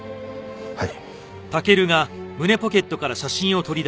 はい。